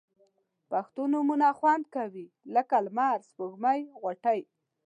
پښتو نومونه خوند کوي لکه لمر، سپوږمۍ، غوټۍ